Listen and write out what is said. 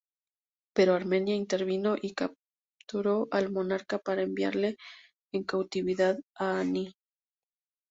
Pero Armenia intervino y capturó al monarca para enviarle en cautividad a Ani.